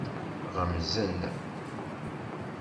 Ɣemzen.